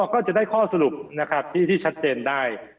ก็จะได้ข้อสรุปนะครับที่ชัดเจนได้